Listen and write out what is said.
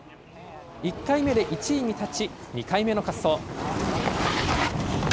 １回目で１位に立ち、２回目の滑走。